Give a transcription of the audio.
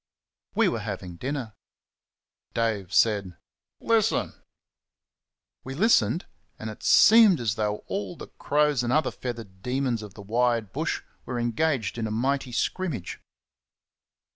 We were having dinner. Dave said, "Listen!" We listened, and it seemed as though all the crows and other feathered demons of the wide bush were engaged in a mighty scrimmage.